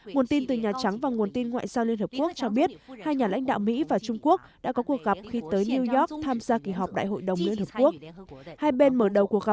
nguồn tin từ nhà trắng và nguồn tin ngoại giao liên hợp quốc cho biết hai nhà lãnh đạo mỹ và trung quốc đã có cuộc gặp khi tới new york tham gia kỳ họp đại hội đồng liên hợp quốc